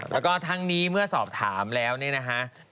แล้วก็ทั้งนี้เมื่อสอบถามแล้วเนี่ยนะฮะ